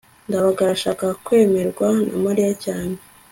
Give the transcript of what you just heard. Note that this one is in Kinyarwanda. ndabaga arashaka kwemerwa na mariya cyane